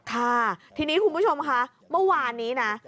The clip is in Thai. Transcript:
ค่ะทีนี้คุณผู้ชมค่ะเมื่อวานนี้นะ